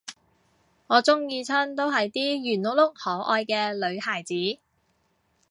我鍾意親都係啲圓碌碌可愛嘅女孩子